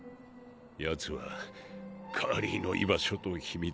奴はカーリーの居場所と秘密